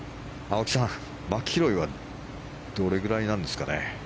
青木さんはマキロイはどれぐらいなんですかね。